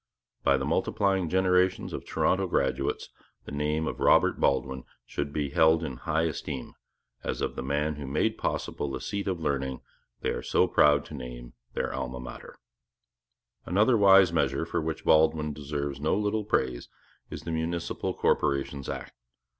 By the multiplying generations of Toronto graduates the name of Robert Baldwin should be held in high esteem as of the man who made possible the seat of learning they are so proud to name their alma mater. Another wise measure for which Baldwin deserves no little praise is the Municipal Corporations Act.